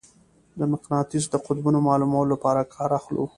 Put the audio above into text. د مقناطیس د قطبونو معلومولو لپاره کار اخلو.